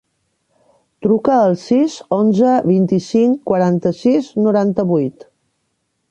Truca al sis, onze, vint-i-cinc, quaranta-sis, noranta-vuit.